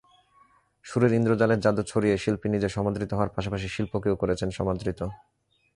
সুরের ইন্দ্রজালের জাদু ছড়িয়ে শিল্পী নিজে সমাদৃত হওয়ার পাশাপাশি শিল্পকেও করেছেন সমাদৃত।